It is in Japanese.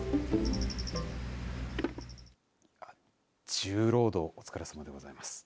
重労働お疲れさまでございます。